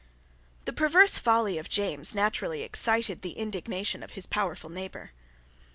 The perverse folly of James naturally excited the indignation of his powerful neighbour.